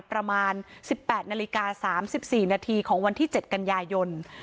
ประมาณ๑๘นาฬิกา๓๔นาทีของวันที่๗กันยายน